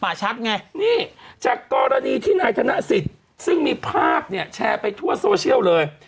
ชักไงนี่จากกรณีที่นายธนสิทธิ์ซึ่งมีภาพเนี่ยแชร์ไปทั่วโซเชียลเลย